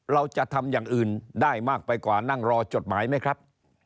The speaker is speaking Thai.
เราจะทำอย่างอื่นได้มากไปกว่านั่งรอจดหมายไหมครับ